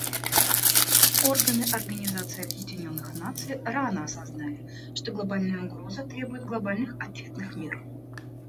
Органы Организации Объединенных Наций рано осознали, что глобальная угроза требует глобальных ответных мер.